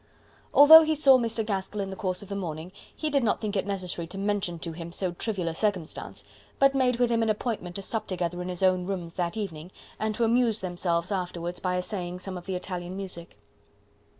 Although he saw Mr. Gaskell in the course of the morning, he did not think it necessary to mention to him so trivial a circumstance, but made with him an appointment to sup together in his own rooms that evening, and to amuse themselves afterwards by essaying some of the Italian music.